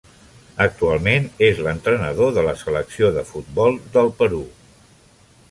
Actualment és l'entrenador de la Selecció de futbol del Perú.